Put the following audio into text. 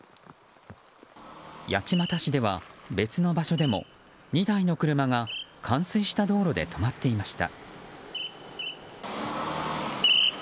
八街市では別の場所でも２台の車が冠水した道路で止まっていました。